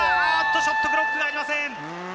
ショットクロック、時間がありません。